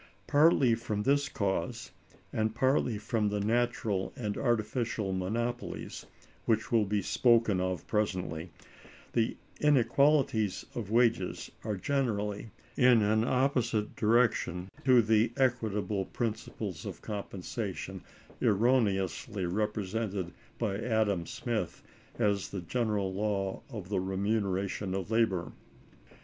Partly from this cause, and partly from the natural and artificial monopolies, which will be spoken of presently, the inequalities of wages are generally in an opposite direction to the equitable principle of compensation, erroneously represented by Adam Smith as the general law of the remuneration of labor.